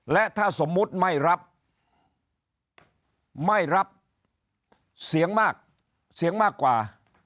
และถ้าสมมุติไม่รับไม่รับเสียงมากเสียงมากกว่า